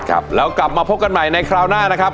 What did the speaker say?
ครับแล้วกลับมาพบกันใหม่ในคราวหน้านะครับ